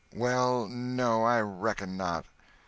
"Well, no—I reckon not."